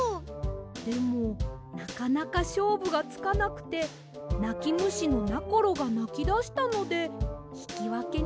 でもなかなかしょうぶがつかなくてなきむしのなころがなきだしたのでひきわけにしました。